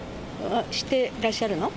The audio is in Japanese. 知ってらっしゃるの？